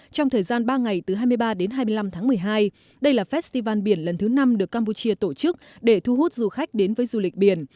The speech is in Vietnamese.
trong thời gian ba ngày từ hai mươi ba đến hai mươi năm tháng một mươi hai đây là festival biển lần thứ năm được campuchia tổ chức để thu hút du khách đến với du lịch biển